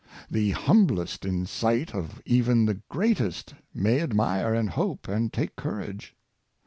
The humblest, in sight of even the greatest, may admire, and hope, and take courage.